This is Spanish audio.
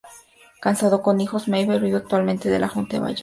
Casado con hijos, Meier vive actualmente en Hunt Valley, Maryland.